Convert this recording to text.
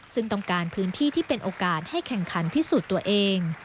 ซึ่งต้องการพื้นที่ที่เป็นโอกาสให้แข่งขันพิสูจน์ตัวเอง